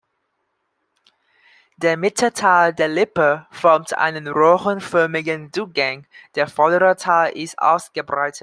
Der Mittelteil der Lippe formt einen röhrenförmigen Zugang, der vordere Teil ist ausgebreitet.